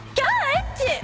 エッチ！